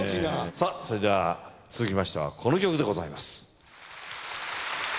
さぁそれでは続きましてはこの曲でございます。